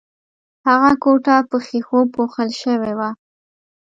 هغه کوټه په ښیښو پوښل شوې وه